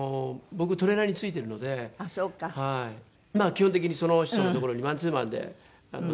基本的にその人の所にマンツーマンでずっと。